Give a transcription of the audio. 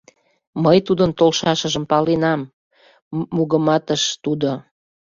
— Мый тудын толшашыжым паленам, - мугыматыш тудо.